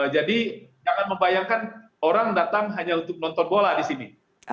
jadi jangan membayangkan orang datang hanya untuk menonton bola di sini